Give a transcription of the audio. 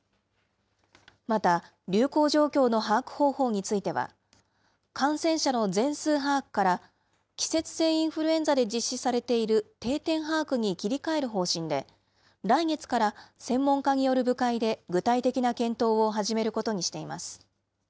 また、流行状況の把握方法については、感染者の全数把握から、季節性インフルエンザで実施されている、定点把握に切り替える方針で、来月から専門家による部会で具体的な検討を始めることにしています。